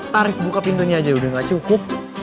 tarif buka pintunya aja udah gak cukup